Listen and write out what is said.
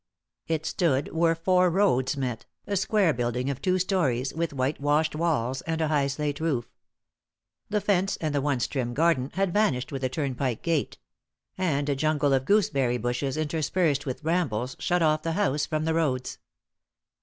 It stood where four roads met a square building of two storeys, with white washed walls and a high slate roof. The fence, and the once trim garden, had vanished with the turnpike gate; and a jungle of gooseberry bushes, interspersed with brambles, shut off the house from the roads.